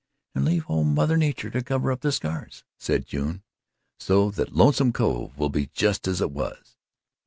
"And leave old Mother Nature to cover up the scars," said June. "So that Lonesome Cove will be just as it was."